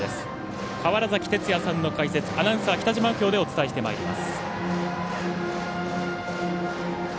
川原崎哲也さんの解説アナウンサー北嶋右京でお伝えします。